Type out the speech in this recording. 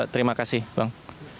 terima kasih bang